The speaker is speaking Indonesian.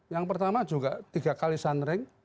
yang pertama juga tiga kali sunring